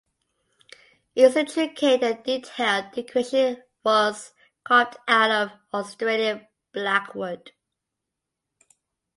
Its intricate and detailed decoration was carved out of Australian blackwood.